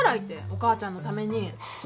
お母ちゃんのために。